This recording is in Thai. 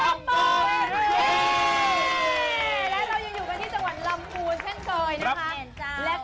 และเรายังอยู่กันที่จังหวัดลำพูนเช่นเคยนะคะ